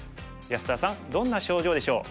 安田さんどんな症状でしょう？